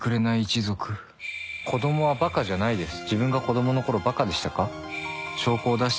「子供はバカじゃないです」